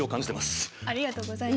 ありがとうございます。